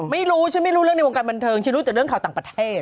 ไม่รู้ฉันไม่รู้เรื่องในวงการบันเทิงฉันรู้แต่เรื่องข่าวต่างประเทศ